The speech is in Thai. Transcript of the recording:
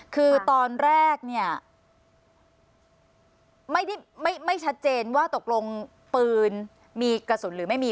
คือตอนแรกเนี่ยไม่ชัดเจนว่าตกลงปืนมีกระสุนหรือไม่มี